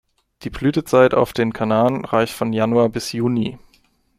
Die Blütezeit auf den Kanaren reicht von Januar bis Juni.